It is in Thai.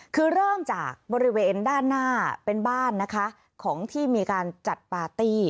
คือเริ่มจากบริเวณด้านหน้าเป็นบ้านนะคะของที่มีการจัดปาร์ตี้